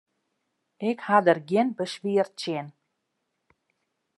Ik ha der gjin beswier tsjin.